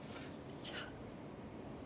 じゃあ。